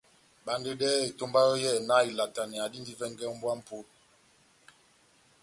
Bandedɛhɛ etomba yɔ́ yɛ́hɛ́pi náh ilataneya dindi vɛngɛ ó mbówa ya mʼpolo !